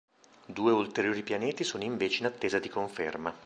Due ulteriori pianeti sono invece in attesa di conferma.